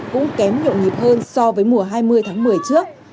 cũng kém nhộn nhịp hơn so với mùa hai mươi tháng một mươi trước